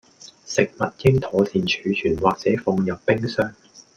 食物應妥善儲存或者放入冰箱